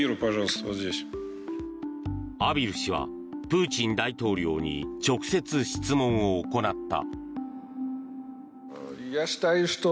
畔蒜氏はプーチン大統領に直接、質問を行った。